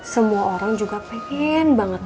semua orang juga pengen banget